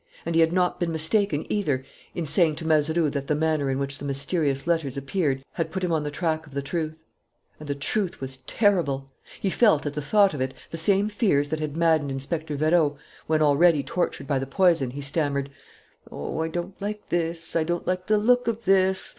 And he had not been mistaken, either, in saying to Mazeroux that the manner in which the mysterious letters appeared had put him on the track of the truth. And the truth was terrible. He felt, at the thought of it, the same fears that had maddened Inspector Vérot when, already tortured by the poison, he stammered: "Oh, I don't like this, I don't like the look of this!...